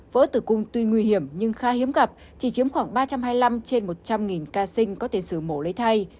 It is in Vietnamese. vỡ tử cung tuy nguy hiểm nhưng khá hiếm gặp chỉ chiếm khoảng ba trăm hai mươi năm trên một trăm linh ca sinh có tiền sử mổ lấy thai